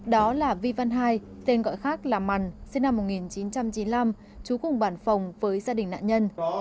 đó là vi văn hai tên gọi khác là mằn sinh năm một nghìn chín trăm chín mươi năm trú cùng bản phòng với gia đình nạn nhân